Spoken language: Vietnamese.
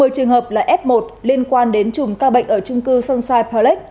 một mươi trường hợp là f một liên quan đến chùm ca bệnh ở trung cư sunshine palace